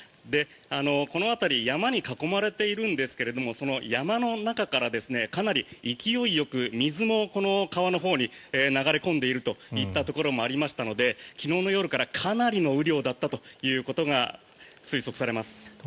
この辺り山に囲まれているんですが山の中からかなり勢いよく水も川のほうに流れ込んでいるといったところもありましたので昨日の夜からかなりの雨量だったということが推測されます。